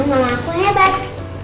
semoga mama aku hebat